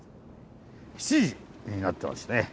７時になってますね。